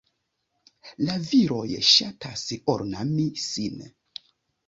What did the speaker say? La viroj ŝatas ornami sin.